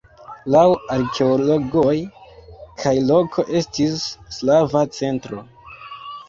Laŭ arkeologoj la loko estis slava centro.